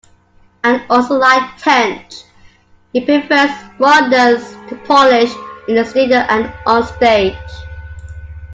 And also like Tench, he prefers rawness to polish in the studio and onstage.